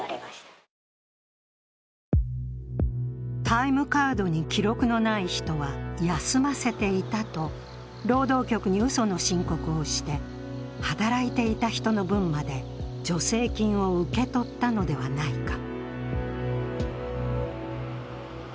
タイムカードに記録のない人は休ませていたと労働局にうその申告をして、働いていた人の分まで助成金を受け取ったのではないか。